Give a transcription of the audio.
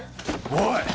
おい！